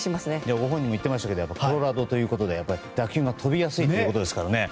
ご本人も言ってましたがコロラドということで打球が飛びやすいということですからね。